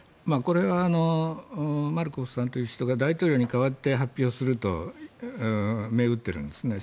これはマルコフさんという人が大統領に代わって発表すると銘打っているんです。